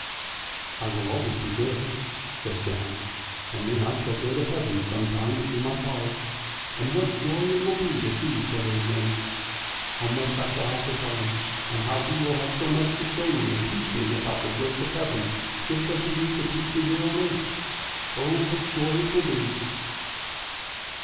" I will always be good! " said John, " and then I shall go to Heaven some time to my father, and what joy it will be to see each other again. How much I shall have to tell him; and he will have so much to show me, and to teach me about the bliss of Heaven, just as he used to teach me here on earth. Oh, what joy it will be!